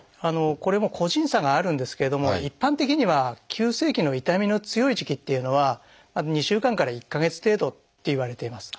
これも個人差があるんですけれども一般的には急性期の痛みの強い時期というのは２週間から１か月程度といわれています。